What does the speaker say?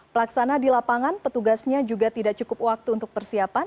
pelaksana di lapangan petugasnya juga tidak cukup waktu untuk persiapan